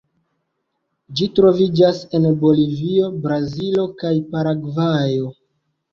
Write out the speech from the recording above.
Ĝi troviĝas en Bolivio, Brazilo kaj Paragvajo.